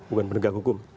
bukan penegak hukum